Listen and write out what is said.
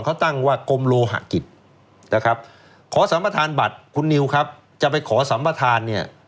เขาตั้งว่ากรมโลหะกิจนะครับขอสัมประธานบัตรคุณนิวครับจะไปขอสัมประธานเนี่ย